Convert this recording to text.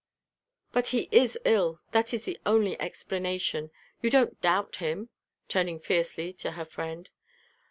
"But he is ill; that is the only explanation. You don't doubt him?" turning fiercely to her friend.